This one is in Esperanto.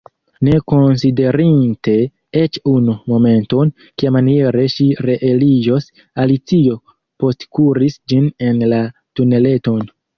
Ne konsiderinte eĉ unu momenton, kiamaniere ŝi reeliĝos, Alicio postkuris ĝin en la tuneleton.